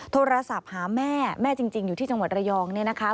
โทรศัพท์หาแม่แม่จริงอยู่ที่จังหวัดระยอง